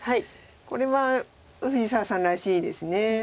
これは藤沢さんらしいです。